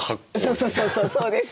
そうそうそうそうそうです。